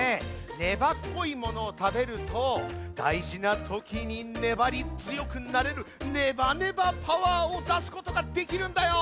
ねばっこいものをたべるとだいじなときにねばりづよくなれる「ねばねばパワー」をだすことができるんだよ。